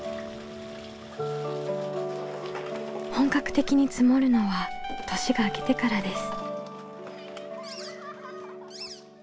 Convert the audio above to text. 本格的に積もるのは年が明けてからです。